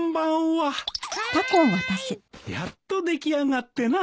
はーい！やっと出来上がってな。